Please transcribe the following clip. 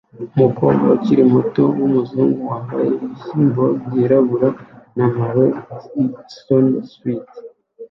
Umukobwa ukiri muto wumuzungu wambaye ibishyimbo byirabura na maroon snowsuit